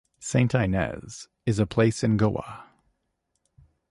St. Inez is a place in Goa.